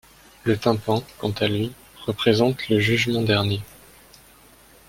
Le tympan, quant à lui, représente le Jugement dernier.